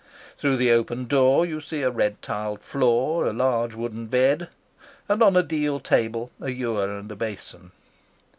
Through the open door you see a red tiled floor, a large wooden bed, and on a deal table a ewer and a basin.